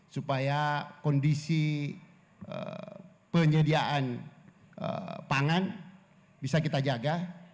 supaya kondisi penyediaan pangan bisa kita jaga